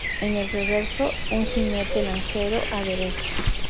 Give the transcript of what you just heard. En el reverso, un jinete lancero a derecha.